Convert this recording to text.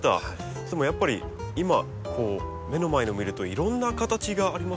でもやっぱり今目の前のを見るといろんな形がありますね。